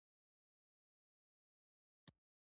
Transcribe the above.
ښه به نه وي چې فتح او حماس پر خپلو محاسبو بیا غور وکړي؟